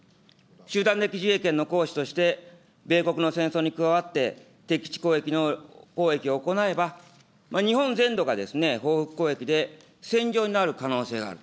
集団的自衛権の行使として、米国の戦争に加わって敵基地攻撃を行えば、日本全土が報復攻撃で戦場になる可能性がある。